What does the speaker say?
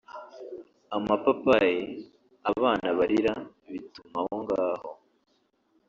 amapapayi…abana barira bituma aho ngaho